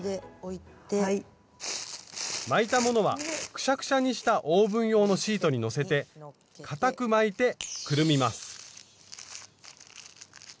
巻いたものはくしゃくしゃにしたオーブン用のシートにのせてかたく巻いてくるみます。